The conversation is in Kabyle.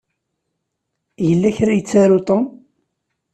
Yella kra i yettaru Tom.